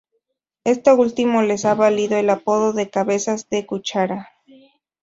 Esto último les ha valido el apodo de ""cabezas de cuchara"".